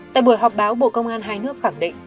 tại buổi họp báo bộ công an hai nước khẳng định